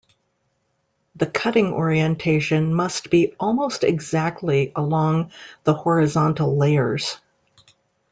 The cutting orientation must be almost exactly along the horizontal layers.